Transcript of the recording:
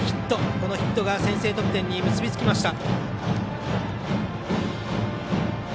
このヒットが先制得点に結びつきました。